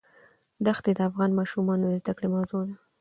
دښتې د افغان ماشومانو د زده کړې موضوع ده.